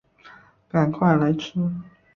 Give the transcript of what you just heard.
赶快来吃